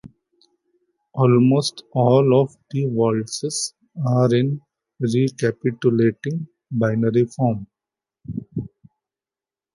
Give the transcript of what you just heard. Almost all of the waltzes are in a recapitulating binary form.